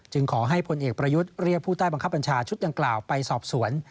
ขอให้พลเอกประยุทธ์เรียกผู้ใต้บังคับบัญชาชุดดังกล่าวไปสอบสวน